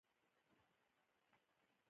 نه پوهېدم چې کښته تله که پورته.